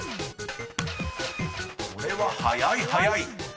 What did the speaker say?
［これは早い早い！